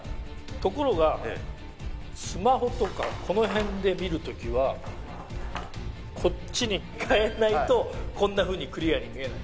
ところがスマホとかこの辺で見る時はこっちにかえないとこんなふうにクリアに見えない。